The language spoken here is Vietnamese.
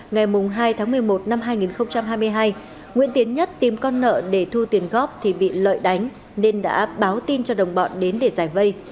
ngày hai tháng một mươi một năm hai nghìn hai mươi hai nguyễn tiến nhất tìm con nợ để thu tiền góp thì bị lợi đánh nên đã báo tin cho đồng bọn đến để giải vây